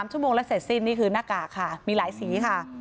ชั่วโมงแล้วเสร็จสิ้นนี่คือหน้ากากค่ะมีหลายสีค่ะ